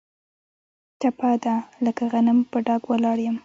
ټپه ده: لکه غنم په ډاګ ولاړ یم.